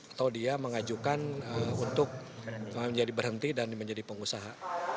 atau dia mengajukan untuk menjadi berhenti dan menjadi pengusaha